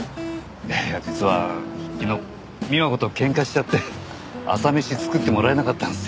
いや実は昨日美和子と喧嘩しちゃって朝飯作ってもらえなかったんですよ。